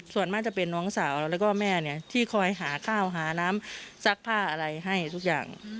ส่วนมากจะเป็นน้องสาวแล้วก็แม่ที่คอยหาข้าวหาน้ำซักผ้าอะไรให้ทุกอย่าง